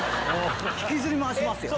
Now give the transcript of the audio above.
引きずり回しますよ。